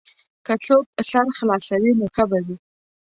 که څوک سر خلاصوي نو ښه به وي.